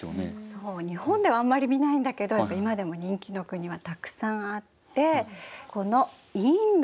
そう日本ではあんまり見ないんだけどやっぱり今でも人気の国はたくさんあってこのインド。